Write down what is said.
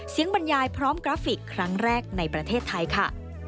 บรรยายพร้อมกราฟิกครั้งแรกในประเทศไทยค่ะ